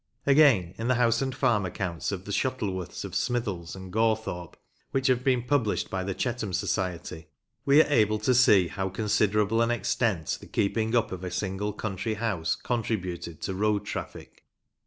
Again, in the House and Farm Accounts of the Shuttleworths of Smithells and Gawthorpe, which have been published by the Chetham Society, we are able to see to how considerable an extent the keeping up of a single country house contributed to road traffic.